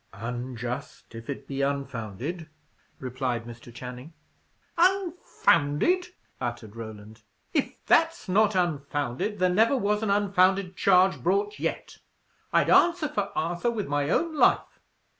"Unjust, if it be unfounded," replied Mr. Channing. "Unfounded!" uttered Roland. "If that's not unfounded, there never was an unfounded charge brought yet. I'd answer for Arthur with my own life.